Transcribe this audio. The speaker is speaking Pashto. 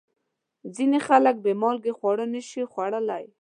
ځینې خلک بې مالګې خواړه نشي خوړلی.